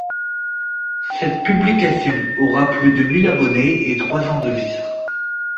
Cette publication aura plus de mille abonnés et trois ans de vie.